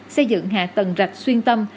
xây dựng hạ tầng rạch xuyên tâm